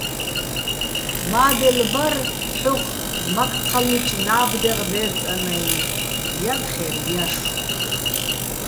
მა́დელ ბარ ჰ̦ოხ მაქ ჴალლუჩო̆ ნა́ბდეღ დე́რწანაჲნო̆, - ჲათხერ ჲაშო̆.